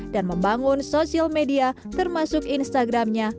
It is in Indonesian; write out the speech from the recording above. dan membangun sosial media termasuk instagramnya